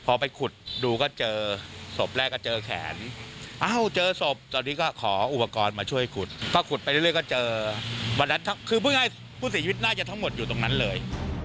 พอไปขุดดูก็เจอสมแรกครับเจอแขนเอาเจอสทศพตอนนี้ก็ขออุปกรณ์มาช่วยกุลกกกุลไปเรื่อยก็เจอว์นัดทำคือไม่ให้ผู้ชีวิตน่ะจะทั้งหมดอยู่ตรงนั้นเลย